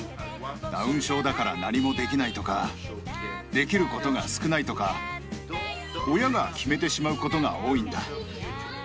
ダウン症だから何もできないとか、できることが少ないとか、親が決めてしまうことが多いんだ。